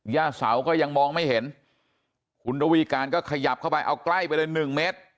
ย่าเสาก็ยังมองไม่เห็นคุณระวีการก็ขยับเข้าไปเอาใกล้ไปเลยหนึ่งเมตร